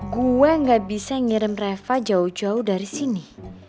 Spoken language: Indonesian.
gue gak bisa ngirim reva jauh jauh dari sini